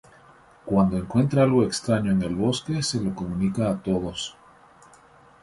Cuando encuentra algo extraño en el bosque se lo comunica a todos.